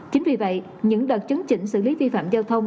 chính vì vậy những đợt chấn chỉnh xử lý vi phạm giao thông